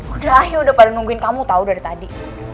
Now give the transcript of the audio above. udah ah ya udah pada nungguin kamu tau dari tadi